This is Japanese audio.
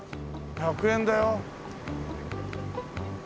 １００円だよ。